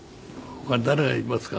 「他に誰がいますか？」